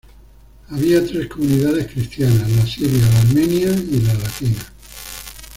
Había tres comunidades cristianas: la siria, la armenia y la latina.